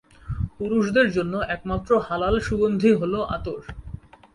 পুরুষদের জন্য একমাত্র হালাল সুগন্ধি হল আতর।